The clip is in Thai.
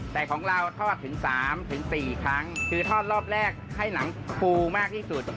แต่ของเราทอดถึง๓๔ครั้งคือทอดรอบแรกให้หนังฟูมากที่สุด